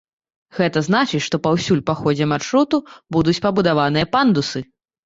Гэта значыць, што паўсюль па ходзе маршруту будуць пабудаваныя пандусы.